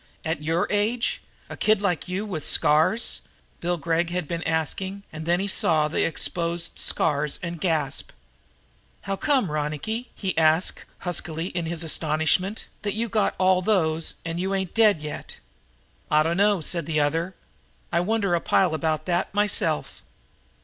"At your age? A kid like you with scars?" Bill Gregg had been asking, and then he saw the exposed scars and gasped. "How come, Ronicky," he asked huskily in his astonishment, "that you got all those and ain't dead yet?" "I dunno," said the other. "I wonder a pile about that, myself.